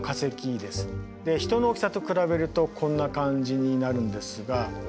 人の大きさと比べるとこんな感じになるんですが。